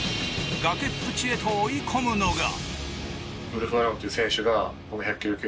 崖っぷちへと追い込むのが。